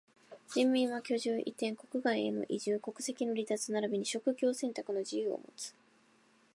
人民は居住、移転、国外への移住、国籍の離脱ならびに職業選択の自由をもつ。